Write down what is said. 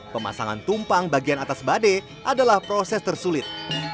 pemasangan tumpang bagian atas badai adalah proses tersulit